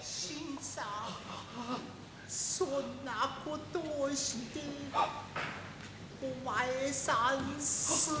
新さんそんなことをしてお前さん済みますか。